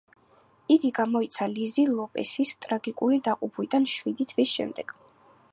იგი გამოიცა ლიზა ლოპესის ტრაგიკული დაღუპვიდან შვიდი თვის შემდეგ.